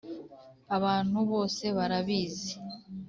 abantu bose barabizi